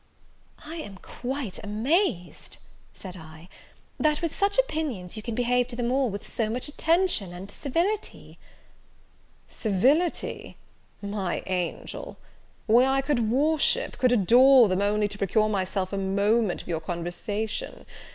"I am quite amazed," said I, "that, with such opinions, you can behave to them all with so much attention and civility." "Civility! my angel, why I could worship, could adore them, only to procure myself a moment of your conversation!